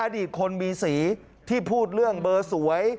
อดีตคนมีสีที่พูดเรื่องเบอร์สวย